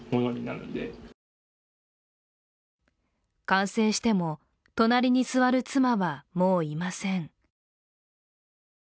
完成しても隣に座る妻はもういません。